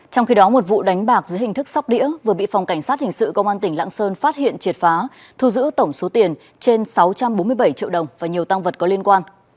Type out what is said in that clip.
trong khi đó một vụ đánh bạc dưới hình thức sóc đĩa vừa bị phòng cảnh sát hình sự công an tỉnh lạng sơn phát hiện triệt phá thu giữ tổng số tiền trên sáu trăm bốn mươi bảy triệu đồng và nhiều tăng vật có liên quan